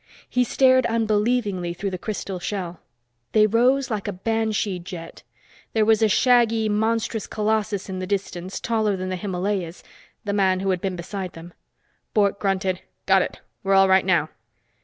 He stared unbelievingly through the crystal shell. They rose like a Banshee jet. There was a shaggy, monstrous colossus in the distance, taller than the Himalayas the man who had been beside them. Bork grunted. "Got it! We're all right now."